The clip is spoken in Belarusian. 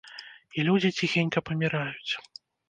І людзі ціхенька паміраюць.